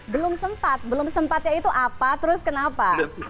belum sempat belum sempatnya itu apa terus kenapa